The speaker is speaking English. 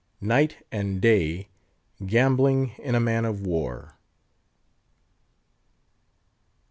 NIGHT AND DAY GAMBLING IN A MAN OF WAR.